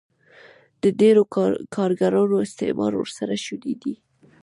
د ډېرو کارګرانو استثمار ورسره شونی دی